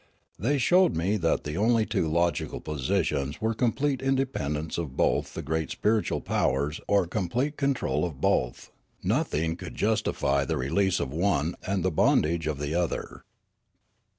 They showed me that the only two logical positions were complete independence of both the great spiritual powers or complete control of both ; The Church and JournaHsm 79 nothing could justify the release of one and the bond age of the other.